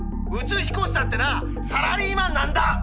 宇宙飛行士だってサラリーマンなんだ！